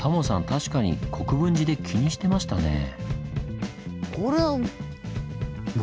確かに国分寺で気にしてましたねぇ。